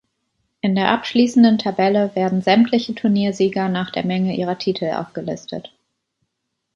In der abschließenden Tabelle werden sämtliche Turniersieger nach der Menge ihrer Titel aufgelistet.